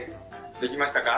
できましたか？